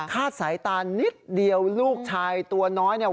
สายตานิดเดียวลูกชายตัวน้อยเนี่ย